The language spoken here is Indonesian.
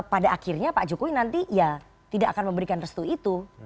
pada akhirnya pak jokowi nanti ya tidak akan memberikan restu itu